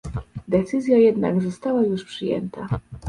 Decyzja jednak została już przyjęta